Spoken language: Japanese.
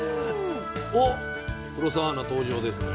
おっ黒澤アナ登場ですね。